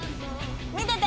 見てて！